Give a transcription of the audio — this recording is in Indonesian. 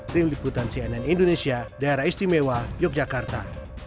tim liputan cnn indonesia daerah istimewa yogyakarta